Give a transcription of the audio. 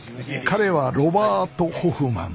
彼はロバート・ホフマン。